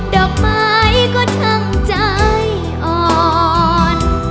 ดอกไม้ก็ทำใจอ่อน